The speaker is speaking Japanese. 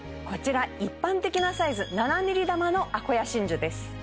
こちら一般的なサイズ７ｍｍ珠のあこや真珠です